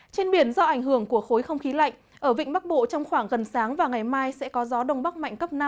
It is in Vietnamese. trên biển do ảnh hưởng của khối không khí lạnh ở vịnh bắc bộ trong khoảng gần sáng và ngày mai sẽ có gió đông bắc mạnh cấp năm